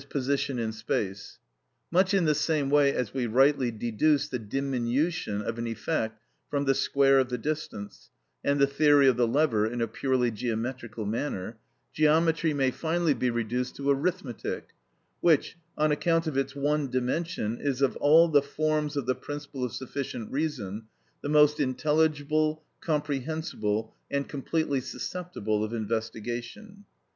_, position in space (much in the same way as we rightly deduce the diminution of an effect from the square of the distance, and the theory of the lever in a purely geometrical manner): geometry may finally be reduced to arithmetic, which, on account of its one dimension, is of all the forms of the principle of sufficient reason, the most intelligible, comprehensible, and completely susceptible of investigation.